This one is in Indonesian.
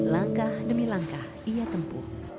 langkah demi langkah ia tempuh